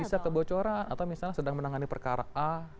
bisa kebocoran atau misalnya sedang menangani perkara a